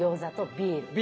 ビール。